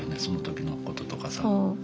その時のこととかさ。